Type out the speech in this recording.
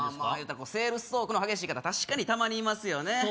ああいうたらセールストークの激しい方確かにたまにいますよね